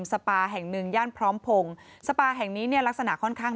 สปาแห่งหนึ่งย่านพร้อมพงศ์สปาแห่งนี้เนี่ยลักษณะค่อนข้าง